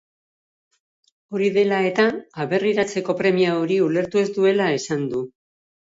Hori dela eta, aberriratzeko premia hori ulertzu ez duela esan du.